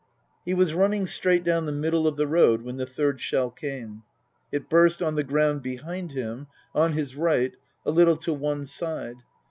He was running straight down the middle of the road when the third shell came. It burst on the ground behind him, on his right, a little to one side.